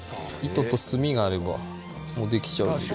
糸と墨があればもうできちゃう。